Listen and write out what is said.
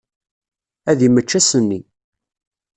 Ad immečč ass-nni.